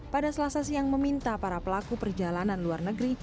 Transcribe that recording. pada selasa siang meminta para pelaku perjalanan luar negeri